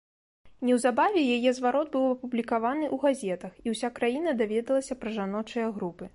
Неўзабаве яе зварот быў апублікаваны ў газетах, і ўся краіна даведалася пра жаночыя групы.